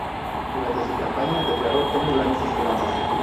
Durante su campaña, declaró: "Tengo grandes esperanzas;.